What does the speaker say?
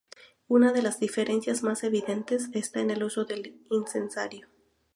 Una de las diferencias más evidentes está en el uso del incensario.